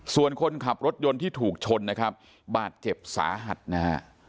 ส่วนคนขับรถยนต์ที่ถูกชนนะครับบาดเจ็บสาหัสนะฮะ